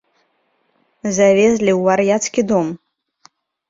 Завезлі ў вар'яцкі дом.